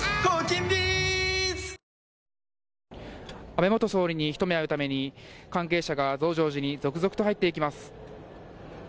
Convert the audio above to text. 安倍元総理に一目会うために関係者が増上寺に続々と入ってきます。